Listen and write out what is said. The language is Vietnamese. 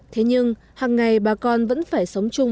thế nhưng hàng ngày bà con vẫn phải sống chung